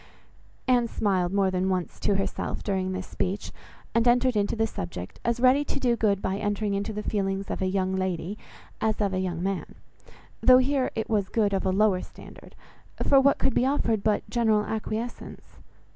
Anne smiled more than once to herself during this speech, and entered into the subject, as ready to do good by entering into the feelings of a young lady as of a young man, though here it was good of a lower standard, for what could be offered but general acquiescence?